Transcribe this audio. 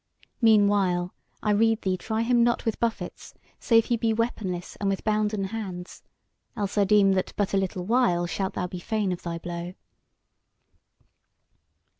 Meanwhile, I rede thee try him not with buffets, save he be weaponless and with bounden hands; or else I deem that but a little while shalt thou be fain of thy blow."